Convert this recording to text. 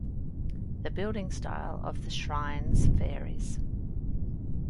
The building style of the shrines varies.